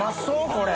これ。